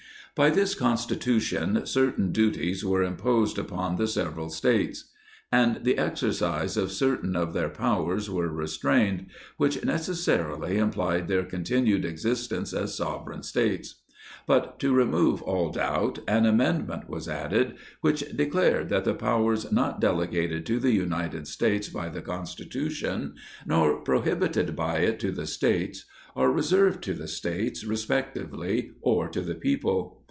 By this Constitution, certain duties were imposed upon the several States, and the exercise of certain of their pow ers were restrained, which necessarily implied their contin ued existence as sovereign States. But, to remove all doubt, au amendment was added, which declared that the powers not delegated to the United States by the Constitu tion, nor prohibited by it to the States, are reserved to the States, respectively, or to the people.